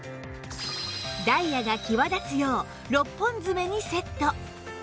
ダイヤが際立つよう６本爪にセット